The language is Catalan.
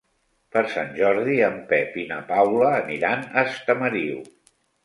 Per Sant Jordi en Pep i na Paula aniran a Estamariu.